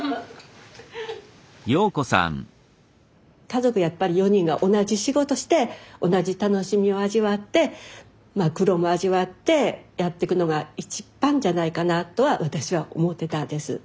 家族やっぱり４人が同じ仕事して同じ楽しみを味わってまあ苦労も味わってやってくのが一番じゃないかなとは私は思ってたんです。